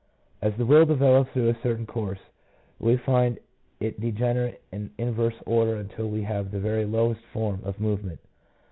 As the will develops through a certain course, we will find it degenerate in inverse order until we have the very lowest form of movement.